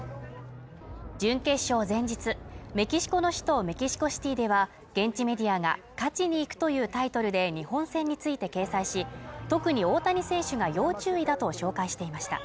準決勝前日、メキシコの首都メキシコシティでは、現地メディアが勝ちに行くというタイトルで日本戦について掲載し、特に大谷選手が要注意だと紹介していました。